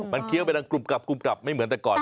มันเคี้ยวไปตั้งกรุบกลับไม่เหมือนแต่ก่อน